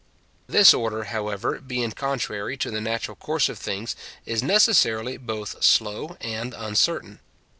This order, however, being contrary to the natural course of things, is necessarily both slow and uncertain.